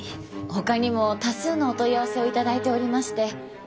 ほかにも多数のお問い合わせを頂いておりまして。